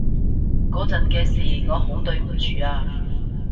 嗰陣嘅事，我好對唔住啊